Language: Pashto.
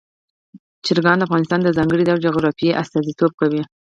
چرګان د افغانستان د ځانګړي ډول جغرافیه استازیتوب کوي.